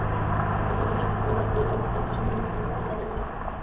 গতকাল বৃহস্পতিবার রাতে ঝড়বৃষ্টির সময় বিদ্যুতের একটি খুঁটি কাত হয়ে পড়ে।